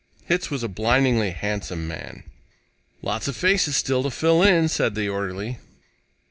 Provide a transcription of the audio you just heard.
Hitz was a blindingly handsome man. "Lot of faces still to fill in," said the orderly.